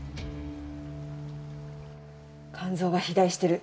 肝臓が肥大してる。